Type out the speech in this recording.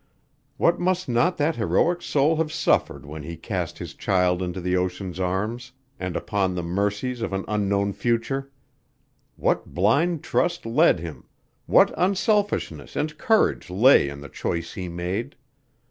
What must not that heroic soul have suffered when he cast his child into the ocean's arms and upon the mercies of an unknown future! What blind trust led him; what unselfishness and courage lay in the choice he made!